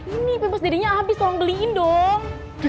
ini pempes dedenya abis tolong beliin dong